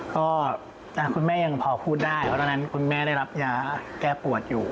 ก็คุณแม่ยังพอพูดได้เพราะตอนนั้นคุณแม่ได้รับยาแก้ปวดอยู่